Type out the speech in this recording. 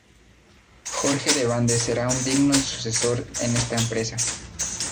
Jorge de Bande será un digno sucesor en esta empresa.